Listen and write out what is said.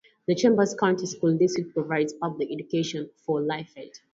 The Chambers County School District provides public education for LaFayette.